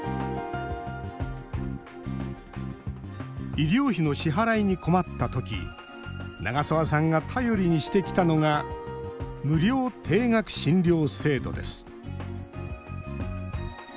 医療費の支払いに困ったとき長澤さんが頼りにしてきたのが無料低額診療制度です。